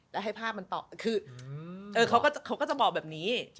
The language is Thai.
แล้วให้ภาพมันต่อคือเขาก็จะบอกแบบนี้